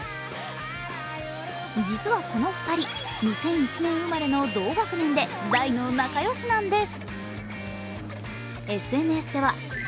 実はこの２人、２００１年生まれの同学年で大の仲良しなんです。